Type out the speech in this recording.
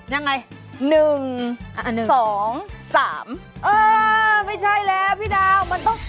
ไม่ใช่แล้วพี่นาว